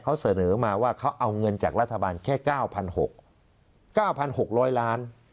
เขาเสนอมาว่าเขาเอาเงินจากรัฐบาลแค่เก้าพันหกเก้าพันหกร้อยล้าน